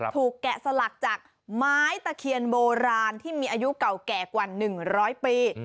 แกะสลักจากไม้ตะเคียนโบราณที่มีอายุเก่าแก่กว่า๑๐๐ปี